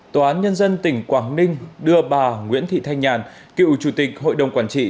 tòa án nhân dân tỉnh quảng ninh đưa bà nguyễn thị thanh nhàn cựu chủ tịch hội đồng quản trị